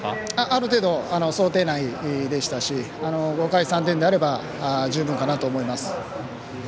ある程度想定内でしたし５回３点であれば十分かなと思います。